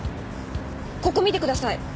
ここ見てください！